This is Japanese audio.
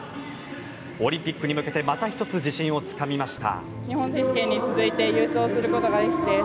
オリンピックに向けてまた１つ自信をつかみました。